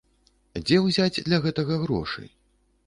Дзе ўзяць для гэтага грошы?